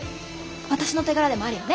私の手柄でもあるよね？